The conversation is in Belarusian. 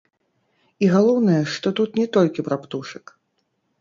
І галоўнае, што тут не толькі пра птушак.